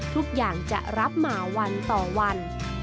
ทุกอย่างจะรับมาวันต่อวัน